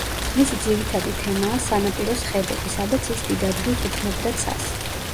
მისი ძირითადი თემაა სანაპიროს ხედები, სადაც ის დიდ ადგილს უთმობდა ცას.